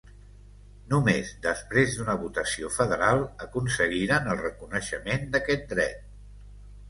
Només després d'una votació federal aconseguiren el reconeixement d'aquest dret.